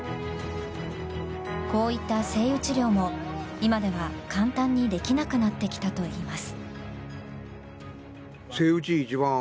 こういったセイウチ猟も今では簡単にできなくなってきたといいます。